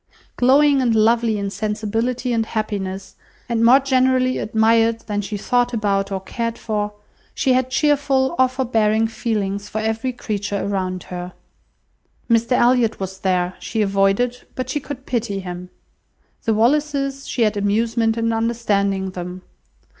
Glowing and lovely in sensibility and happiness, and more generally admired than she thought about or cared for, she had cheerful or forbearing feelings for every creature around her. Mr Elliot was there; she avoided, but she could pity him. The Wallises, she had amusement in understanding them.